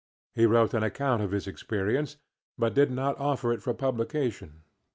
He wrote an account of his experience, but did not offer it for publication.